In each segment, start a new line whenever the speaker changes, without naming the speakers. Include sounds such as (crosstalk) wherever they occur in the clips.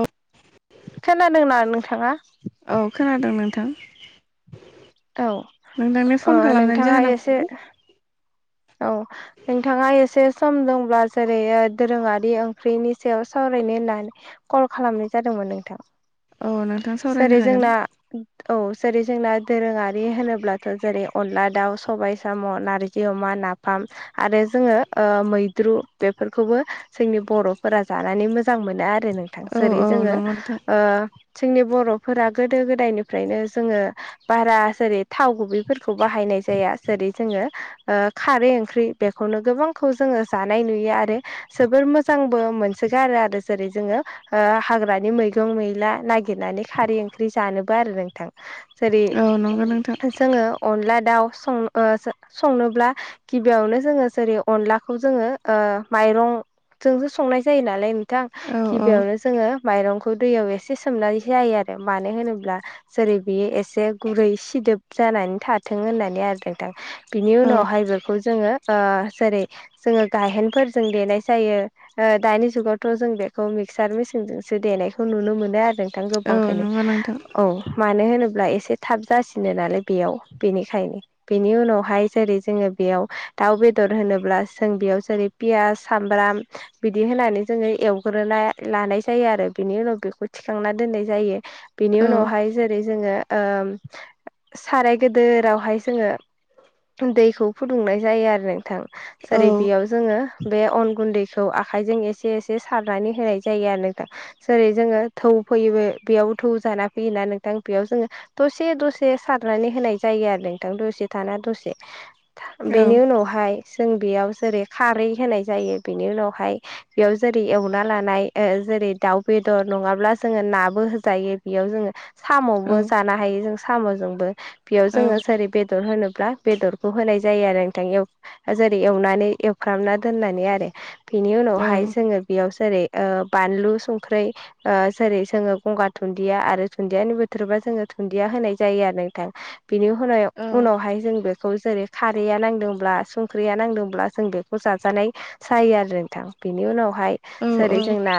औ।
खोनादोंना नोंथाङा?
औ खोनादों नोंथां
औ
नोंथांनि
ओ
फन खालामनायनि
नोंथाङा
जाहोना
एसे
मामोन?
औ। नोंथाङा एसे सम दंब्ला जेरै ओ दोरोङारि ओंख्रिनि सायाव सावरायनो होनना कल खालामनाय जादोंमोन नोंथां
औ नोंथां सावरायनो
सोरै
हागोन
जोंना औ जेरै जोंना दोरोङारि होनोब्लाथ' जेरै अनला दाउ सबाय साम' नारजि अमान नाफाम आरो जोङो ओ मैद्रु बेफोरखौबो जोंनि बर'फोरा जानानै मोजां मोनो आरो नोंथां
औ
जोरै
औ
जोङो
नंगौ नोंथां
ओ जोंनि बर'फोरा गोदो गोदायनिफ्रायनो जोङो बारा जेरै थाव गुबैफोरखौ बाहायनाय जाया जेरै जोङो खारै ओंख्रि बेखौनो गोबांखौ जोङो जानाय नुयो आरो जोबोर मोजांबो मोनसोगारो आरो जेरै जोङो हाग्रानि मैगं मैला नागिरनानै खारै ओंख्रि जानोबो आरो नोंथां। जेरै
औ नंगौ नोंथां
जोङो अनला दाउं संनोब्ला गिबियावनो जोङो जेरै अनलाखौ जोङो ओ माइरंजोंसो संनाय जायो नालाय बिथां
औ औ
गिबियावनो जोङो माइरंखौ दैयाव एसे सोमनानै जायो आरो मानो होनोब्ला जेरै बियो एसे गुरै सिदोब जानानै थाथों होननानै आरो नोंथां। बिनि
औ
उनावहाय बेखौ जोङो ओ जेरै जोङो गायहेनफोरजों देनाय जायो ओ दानि जुगावथ' जों बेखौ मिक्सार मेसिनजोंसो देनायखौ नुनो मोनो आरो। थां
औ
गोबांखौनो
नंगौ नोंथां
औ। मानो होनोब्ला एसे थाब जासिनो नालाय बेयाव बेनिखायन बेनि उनावहाय जेरै जोङो बेयाव दाउ बेदर होनोब्ला जों बेयाव जेरै पियास सामब्राम बिदि होनानै जोङो एवग्रोना लानाय जायो आरो बिनि उनाव बेखौ थिखांना दोननाय जायो। बिनि
औ
उनावहाय जेरै जोङो ओम साराय गदोरावहाय जोङो दैखौ फुदुंनाय जायो आरो नोंथां।
औ
जेरै बेयाव जोङो बे अन गुन्दैखौ आखाइजों एसे एसे सारनानै होनाय जायो आरो नोंथां। जेरै जोङो थौ फैयोबो बेयाव थौ जाना फैयोना नोंथां बेयाव जोङो दसे दसे सारनानै होनाय जायो आरो नोंथां दसे थाना दसे
औ
बेनि उनावहाय जों बेयाव जेरै खारै होनाय जायो बेनि उनावहाय बेयाव जेरै एवना लानाय ओ जेरै दाउ बेदर नङाब्ला जोङो नाबो होजायो बेयाव जोङो
औ
साम'बो जानो हायो जों साम'जोंबो बेयाव
औ
जोङो जेरै बेदर होनोब्ला बेदरखौ होनाय जायो आरो नोंथां जेरै एवनानै एवफ्रामना दोननानै आरो। बेनि
औ
उनावहाय जोङो बेयाव जेरै ओ बानलु संख्रै जेरै जोङो गंगार दुनन्दिया आरो दुन्दियानि बोथोरबा जोङो दुन्दिया होनाय जायो आरो नोंथां। बिनि हुनायाव उनावहाय जों बेखौ जेरै खारैया नांदोंब्ला संख्रिया नांदोंब्ला जों बेखौ जाजानाय जायो आरो नोंथां बेनि उनावहाय जेरै जोंना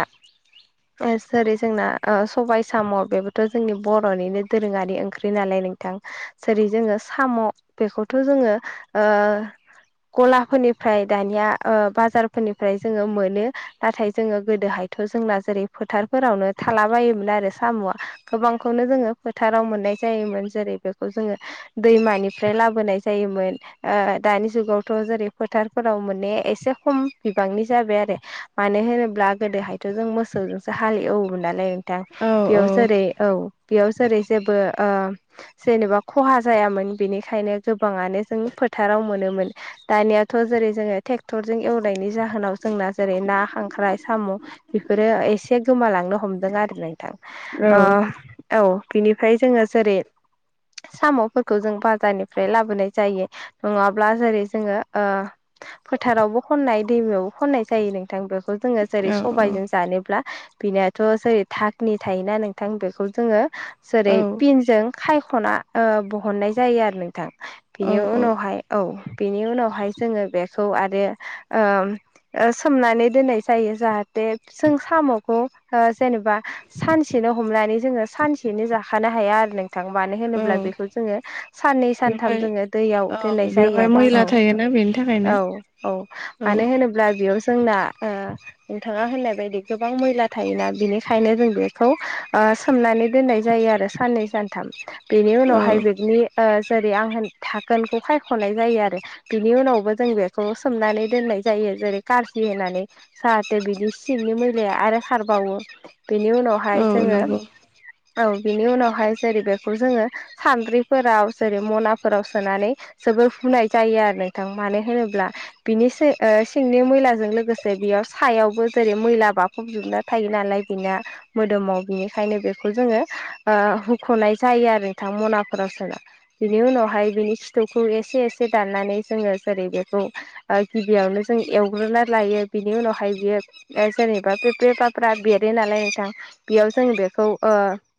जेरै जोंना ओ सबाय साम' बेबोथ' जोंनि बर'निनो दोरोङारि ओंख्रि नालाय नोंथां। जेरै जोङो साम' बेखौथ' जोङो ओ गलाफोरनिफ्राय दानिया ओ बाजारफोरनिफ्राय जोङो मोनो नाथाय जोङो गोदोहाय थ' जोंना जेरै फोथारफोरावनो थाला बायोमोन आरो साम'आ। गोबांखौनो जोङो फोथाराव मोननाय जायोमोन जेरै बेखौ जोङो दैमानिफ्राय लाबोनाय जायोमोन ओ दानि जुगावथ' जेरै फोथारफोराव माने एसे खम बिबांनि जाबाय आरो मानो होनोब्ला गोदोहायथ' जों मोसौजोंसो हालेवोन नालाय नोंथां बेयाव जेरै औ बेयाव जेरै जेबो ओ जेनेबा खहा जायामोन बेनिखायनो गोबाङानो जों फोथाराव मोनोमोन। दानियाथ' जेरै जोङो ट्रेक्टरजों एवनायनि जाहोनाव जोंना जेरै ना खांख्राइ साम' बेफोरो एसे गोमालांनो हमदों आरो नोंथां ओ। औ बिनिफ्राय जोङो जेरै साम'फोरखौ जों बाजारनिफ्राय लाबोनाय जायो। नङाब्ला जेरै जोङो ओ फोथारावबो खननाय दैमायावबो खननाय जायो। बेखौ जोङो जेरै सबायजों जानोब्ला बिनो थ' जेरै थकनि थायोना नोंथां बेखौ जोङो जेरै
औ
पिनजों खायख'ना ओ बहननाय जायो आरो नोंथां बिनि
औ
उनावहाय औ बेनि उनावहाय जोङो बेखौ आरो ओम ओ सोमनानै दोननाय जायो जाहाथे जों साम'खौ जेनेबा सानसेनो हमनानै जोङो सानसेनो जाखानो हाया आरो नोंथां मानो होनोब्ला बेखौ जोङो साननै सानथाम
बेवहाय
जोङो दैयाव
औ
दोननाय जायो
बेवहाय
आरो औ
मैला थायोना बेनि थाखायनो
औ औ
औ
मानो होनो ब्ला बेयाव जोंना ओ नोंथाङा होननाय बायदि गोबां मैला थायोना बिनिखायनो जों बेखौ ओ सोमनानै दोननाय जायो आरो साननै सानथाम बेनि
औ
उनावहाय बेगनि ओ जेरै आं थाखोनखौ सायख'नाय जायो आरो बिनि उनावबो जों बेखौ सोमनानै दोननाय जायो जेरै कारजि होनानै जाहाथे बिदि सिंनि मैलाया आरो खारबावो बेनि उनावहाय
औ
जोङो
नंगौ
औ बिनि उनावहाय जेरै बेखौ जोङो सान्द्रिफोराव जेरै मना फोराव सोनानै जोबोर फुनाय जायो आरो नोंथां मानो होनोब्ला बिनि ओ सिंनि मैलाजों लोगोसे बेयाव सायावबो जेरै मैला बा फब जोबना थायो नालाय बेना मोदोमाव बिनिखायनो बेखौ जोङो ओ हुख'नाय जायो आरो नोंथां मनाफोराव सोना। बिनि उनावहाय बिनि सिथुखौ एसे एसे दाननानै जोङो जेरै बेखौ ओ गिबियावनो जों एवग्रोना लायो बिनि उनावहाय बियो सोरेननिबा बे बेबाफ्रा बेरो नालाय नोंथां बेयाव जों बेखौ ओ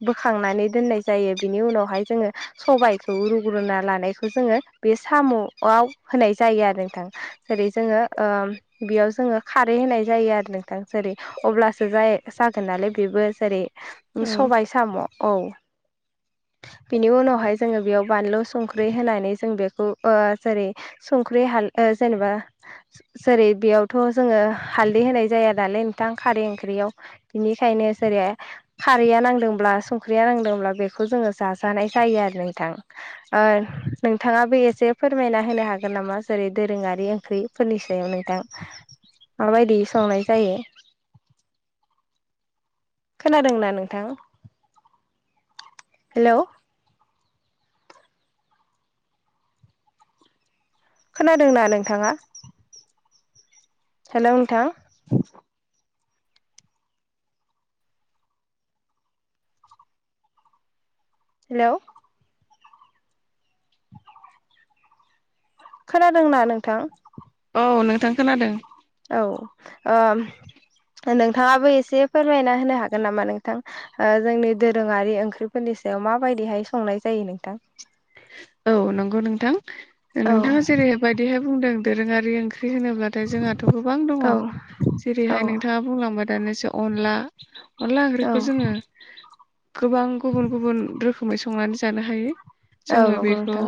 बोखांनानै दोननाय जायो बिनि उनावहाय जोङो सबायाइखौ रुग्रोना लानायखौ जोङो बे साम'आव होनाय जायो आरो नोंथां जेरै जोङो ओ बेयाव जोङो खारै होनाय जायो आरो नोंथां जेरै अब्ला सो जाय जागोन नालाय बेबो जेरै
औ
सबाय साम' औ बिनि उनावहाय जोङो बेयाव बानलु सं संख्रि होनानै जों बेखौ ओ जेरै संख्रि हाल ओ जेनेबा जेरै बेयावथ' जोङो हालदै होनाय जाया नालाय नोंथां खारै ओंख्रियाव बिनि खायनो सारिया खारैया नांदोंब्ला संख्रिया नांदोंब्ला बेखौ जोङो जाजानाय जायो आरो नोंथां। ओ नोंथाङाबो एसे फोरमायना होनो हागोन नामा जेरै दोरोङारि ओंख्रि फोरनि सायाव नोंथां माबायदि संनाय जायो। खोनादोंना नोंथां हेल' खोनादोंना नोंथाङा? हेल' नोंथां! हेल' खोनादोंना नोंथां?
औ नोंथां खोनादों।
औ ओ‌ नोंथाङाबो एसे फोरमायना होनो हागोन नामा नोंथां? जोंनि दोरोङारि ओंख्रिफोरनि सायाव माबायदिहाय संनाय जायो नोंथां?
औ नंगौ नोंथां।
औ
नोंथाङा जेरैबायायदिहाय बुंदों दोरोङारि ओं ख्रि होनोब्लाथाय जोंहाथ' गोबां दङ
औ औ
जेरैहाय नोंथाङा बुंलांबाय दानिसै अनला अनला
औ
ओंख्रिखौ जोङो गोबां गुबुन गुबुन रोखोमै संनानै जानो हायो।
औ
जोङो
नंगौ
बेखौ
नोंथां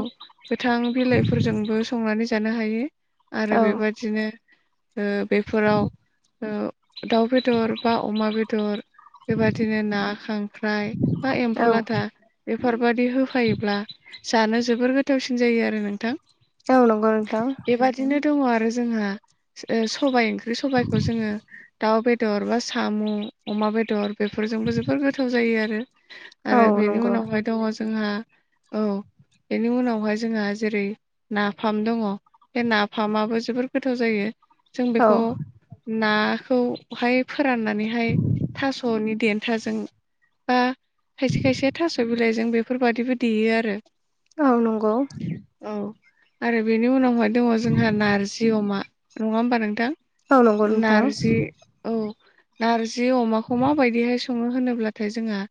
गोथां बिलाइफोरजोंबो संनानै जानो हायो आरो
औ
बेबा बिदिनो ओ बेफोराव ओ दाउ बेदर बा अमा बेदर बेबदिनो ना खांख्राइ बा
औ
एम्फौ लाथा बेफोरबायादि होफायोब्ला जानो जोबोर गोथावसिन जायो आरो नोंथां।
औ नंगौ नोंथां।
बेबदिनो दङ आरो जोंहा ओ सबाय ओंख्रि सबाइखौ जोङो दाउ बेदर बा साम' अमा बेदर बेफोरजोंबो जोबोर गोथाव जायो आरो।
औ
आरो बेनि
नंगौ
उनावहाय दङ जोंहा औ बेनि उनावहाय जोंहा जेरै नाफाम दङ बे नाफामाबो जोबोर गोथाव जायो। जों
औ
बेखौ नाखौहाय फोराननानैहाय थास'नि देन थाजों बा खायसे खायसे थास' बिलाइजों बेफोरबादिबो देयो आरो
औ नंगौ।
औ आरो बेनि उनावहाय दङ जोंहा नारजि अमा नङा होमबा नोंथां?
औ नंगौ नोंथां
नारजि औ नारजि अमाखौ माबायदिहाय सङो होनोब्लाथाय जोंहा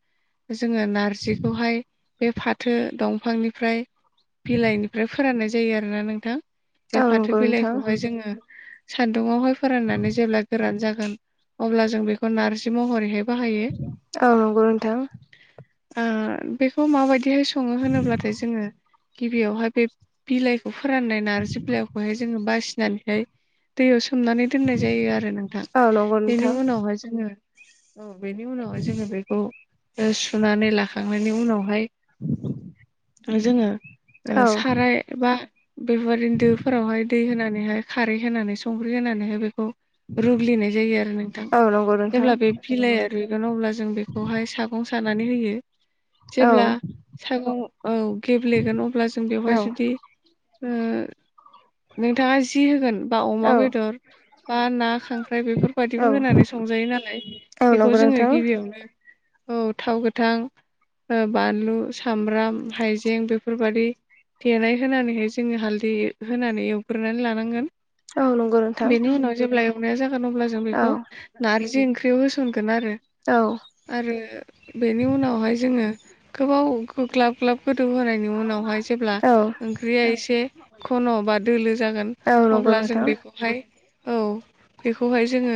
जोङो नारजिखौहाय बे फाथो दंफांनिफ्राय बिलाइनिफ्राय फोराननाय जायो आरोना नोंथां। बे
औ
फाथो
नंगौ नोंथां
बिलाइखौहाय जोङो सान्दुङावहाय फोराननानै जेब्ला गोरान जागोन अब्ला जों बेखौ नार्जि महरैहाय बाहायो।
औ नंगौ नोंथां
ओ बेखौ माबादिहाय सं सङो होनोब्लाथाय जोङो गिबियावहाय बे बिलाइखौ फोराननाय नारजि बिलाइखौहाय जोङो बासिनानैहाय दैयाव सोमनानै दोननाय जायो आरो नोंथां।
औ नंगौ नोंथां
बेनि उनावहाय जोङो बेनि उनावहाय जोङो बेखौ सुनानै लाखांनायनि उनावहाय
(inaudible)
जोङो
औ
साराय बा बेफोरबायदिनो दोफोरावहाय दै होनानैहाय खारै होनानै संख्रि होनानैहाय बेखौ रुग्लिनाय जायो आरो नोंथां।
औ नंगौ नोंथां
जेब्ला बे बिलाइआ रुइगोन अब्ला जों बेखौहाय सागं सानानै होयो
औ।
सागाव औ गेब्लेगोन अब्ला जों
औ
बेवहाय जुदि नोंथाङा जि होगोन बा अमा
औ
बेदर बा ना खांख्राइ
औ
बेफोरबायाददिबो होनानै संजायो नालाय
औ
बेखौ
नंगौ
जोङो
नोंथां
गिबियावनो औ थाव गोथां बानलु सामब्राम हाइजें बेफोरबायादि देनाय होनानैहाय जोङो हालदै होनानै एवग्रोनानै लानांगोन
औ नंगौ नोंथां
बेनि उनाव जेब्ला एवनाया जागोन अब्ला जों
औ
बेखौ नारजि ओंख्रि थेवबो सोंगोन आरो
औ
आरो बेनि उनावहाय जोङो गोबाव ग्लाब ग्लाब गोदौहायनि उनावहाय जेब्ला
औ
ओंख्रिया एसे खन' बा दोलो जागोन
औ नंगौ
अब्ला जों
नोंथां
बेखौ हाय औ बेखौहाय जोङो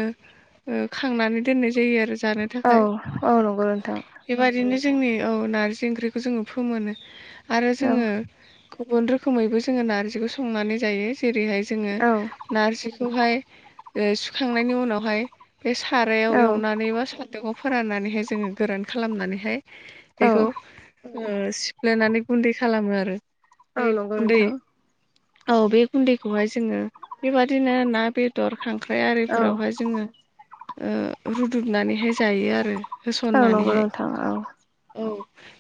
खांनानै दोननाय जायो आरो। जानो
औ
थाखाय
औ नंगौ नोंथां
बेबायदिनो जोंनि औ नारजि ओंख्रिखौ जोङो फोमोनो आरो
औ
जोङो। गुबुन रोखोमैबो जोङो नारजिखौ संनानै जायो जेरैहाय जोङो
औ
नारजि बेखौहाय सुखांनायनि उनावहाय बे सारायाव
औ
एवनानै बा बे दगआव फोराननानैहाय जोङो गोरान खालामनानैहाय
औ
बेखौ सिफ्लेनानै गुन्दै खालामो आरो
औ
बे
नंगौ
गुन्दै
नोंथां
औ बे गुन्दैखौहाय जोङो बेबादिनो ना बे बेदर खांख्राइ
औ
आरिफोरावहाय जोङो रुदुबनानैहाय जायो आरो
औ नंगौ
होसननानैहाय।
नोंथां औ
औ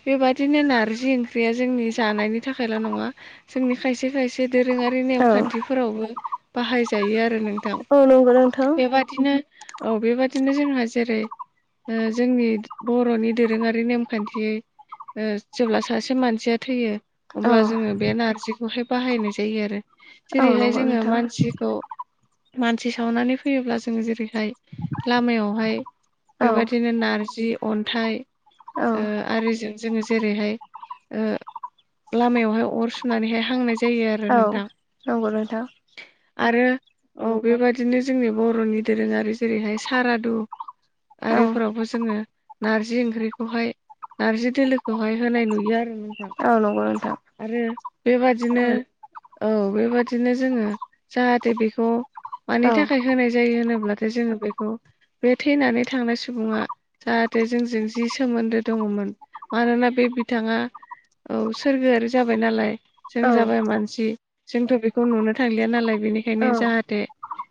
बेबादिनो नारजि ओंख्रिया जोंनि जानायनि थाखायल' नङा जोंनि खायसे खायसे दोरोङारि
औ
नेमखान्थिफोरावबो बाहायजायो आरो नोंथां
औ नंगौ नोंथां
बेबादिनो औ बेबादिनो जोंहा जेरै जोंनि बर'नि दोरोङारि नेमखान्थि जेब्ला सासे मानसिया थैयो
औ
अब्ला जोङो बे नारजि बाहायनाय जायो आरो
औ
जेरैहाय
नंगौ
जोङो
नोंथां
मानसिखौ मानसि सावनानै फैयोब्ला जों जेरैहाय लामायावहाय
औ
बेबादिनो नारजि अन्थाइ
औ
आरो। जैनाय जायो आरो नोंथां
औ नंगौ नोंथां
आरो। औ बेबायाददिनो जोंनि बर'नि दोरोङारि जेरैहाय सारादु
औ
आरिफोरावबो जोङो नारजि ओंख्रिखौहाय नारजि दोलोखौहाय होनाय नुयो आरो नोंथां।
औ नंगौ नोंथां।
आरो बेबादिनो औ बेबादिनो जोङो जाहाथे बेखौ मानि
औ
थाखाय होनाय जायो होनोब्लाथाय जोङो बेखौ बे थैनानै थांनाय सुबुङा जाहाथे जोंजों जि सोमोन्दो दङमोन। मानोना बे बिथाङा औ सोरगोआारि जाबाय नालाय जों जाबाय मानसि जोंथ' बेखौ नुनो थांलिया नालाय बेनिखायनो जाहाथे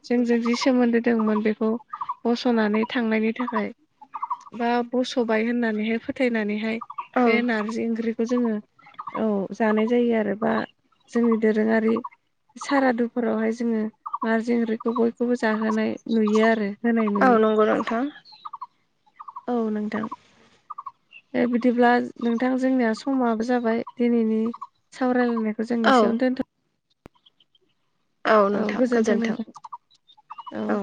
जोंजों जि सोमोन्दो दंमोन बेखौ बस'नानै थांनायनि थाखाय बा बस'बाय होननानैहाय फोथायनानैहाय बे नारजि ओंख्रिखौ जोङो औ जानाय जायो आरो बा जोंनि दोरोङारि सारादुफोरावहाय जोङो नारजि ओंख्रिखौ बयखौबो जाहोनाय नुयो आरो। होनाय
औ
नुयो
नंगौ नोंथां
औ नोंथां। बिदिब्ला नोंथां जोंनिया समाबो जाबाय दिनैनि सावरायलायनाय जों
औ
एसेयावनो दोनथ'
औ नोंथां गोजोन्थों औ